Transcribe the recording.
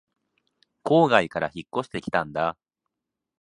郊外から引っ越してきたんだ